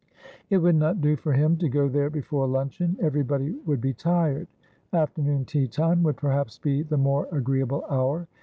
It would not do for him to go there before luncheon. Every body would be tired. Afternoon tea time would perhaps be the more agreeable hour.